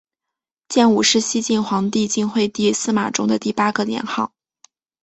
建武是西晋皇帝晋惠帝司马衷的第八个年号。